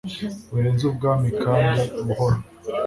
Birenze ubwami kandi buhoro